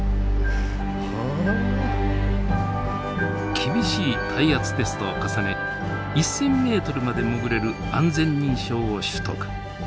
厳しい耐圧テストを重ね１，０００ｍまで潜れる安全認証を取得。